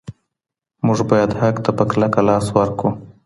موږ باید حق ته په کلکه لاس ورکړو.